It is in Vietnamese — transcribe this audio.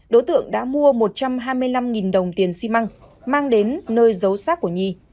đối tượng đã mua một trăm hai mươi năm đồng tiền xi măng mang đến nơi giấu sát của nhi